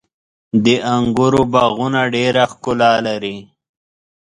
• د انګورو باغونه ډېره ښکلا لري.